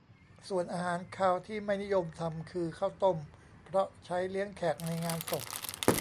ส่วนอาหารคาวที่ไม่นิยมทำคือ ข้าวต้ม เพราะใช้เลี้ยงแขกในงานศพ